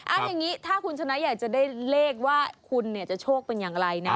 เอาอย่างนี้ถ้าคุณชนะอยากจะได้เลขว่าคุณเนี่ยจะโชคเป็นอย่างไรนะ